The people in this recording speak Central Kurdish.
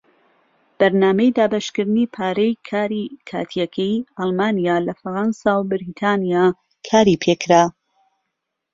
بەرنامەی دابەشکردنی پارەی کاری کاتیەکەی ئەڵمانیا لە فەڕەنسا و بەریتانیا کاری پێکرا.